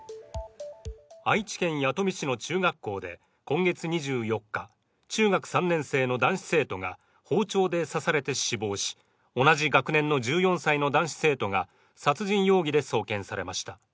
愛知県弥富市の中学校で今月２４日、中学３年生の男子生徒が包丁で刺されて死亡し同じ学年の１４歳の男子生徒が殺人容疑で送検されました。